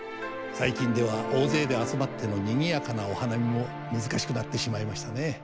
最近では大勢で集まってのにぎやかなお花見も難しくなってしまいましたね。